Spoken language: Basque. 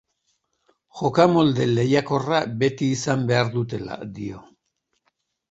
Jokamolde lehiakorra beti izan behar dutela dio.